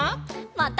また。